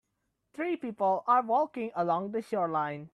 Three people are walking along the shoreline.